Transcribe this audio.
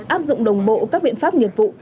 áp dụng đồng bộ các biện pháp nghiệp vụ